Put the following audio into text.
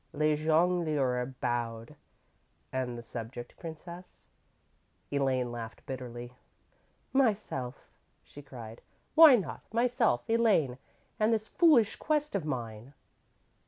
"_ Le Jongleur bowed. "And the subject, Princess?" _Elaine laughed bitterly. "Myself," she cried. "Why not? Myself, Elaine, and this foolish quest of mine!"